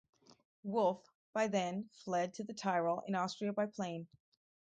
Wolff by then fled to the Tyrol in Austria by plane.